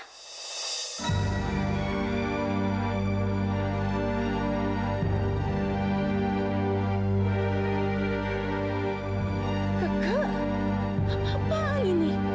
kek apaan ini